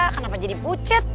kenapa jadi pucet